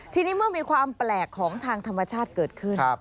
ทีนี้เมื่อมีความแปลกของทางธรรมชาติเกิดขึ้น